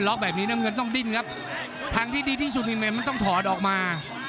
แฮดล็อกแบบนี้น้ำเงินต้องดิ้นครับทางที่ดีที่สุดมันต้องถอดออกมา